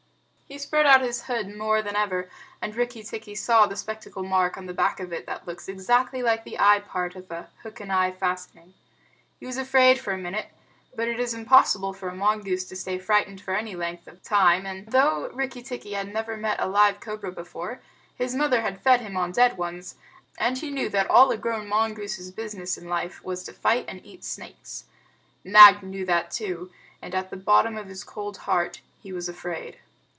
He spread out his hood more than ever, and Rikki tikki saw the spectacle mark on the back of it that looks exactly like the eye part of a hook and eye fastening. He was afraid for the minute, but it is impossible for a mongoose to stay frightened for any length of time, and though Rikki tikki had never met a live cobra before, his mother had fed him on dead ones, and he knew that all a grown mongoose's business in life was to fight and eat snakes. Nag knew that too and, at the bottom of his cold heart, he was afraid.